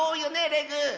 レグ。